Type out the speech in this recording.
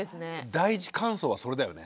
第一感想はそれだよね。